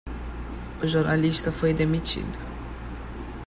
O jornalista foi demitido.